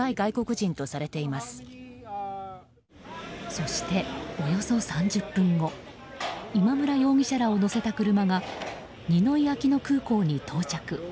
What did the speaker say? そして、およそ３０分後今村容疑者らを乗せた車がニノイ・アキノ国際空港に到着。